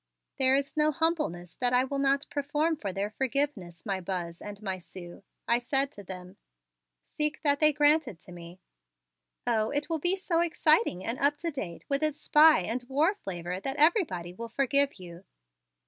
"There is no humbleness that I will not perform for their forgiveness, my Buzz and my Sue," I said to them. "Seek that they grant it to me." "Oh, it will be so exciting and up to date with its spy and war flavor that everybody will forgive you.